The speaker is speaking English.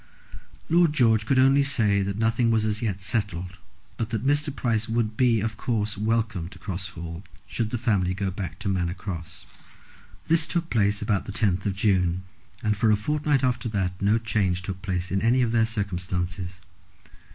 Lord George could only say that nothing was as yet settled, but that Mr. Price would be, of course, welcome to Cross Hall, should the family go back to Manor Cross. This took place about the 10th of June, and for a fortnight after that no change took place in any of their circumstances.